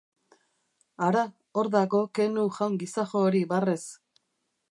Hara, hor dago Quenu jaun gizajo hori barrez.